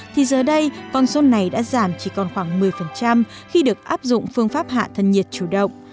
thì giờ đây con số này đã giảm chỉ còn khoảng một mươi khi được áp dụng phương pháp hạ thân nhiệt chủ động